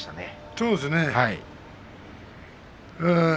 そうですね。